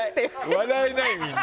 笑えない、みんな。